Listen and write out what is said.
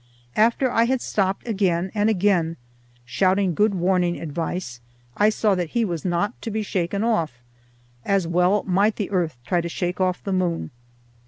After I had stopped again and again, shouting good warning advice, I saw that he was not to be shaken off; as well might the earth try to shake off the moon.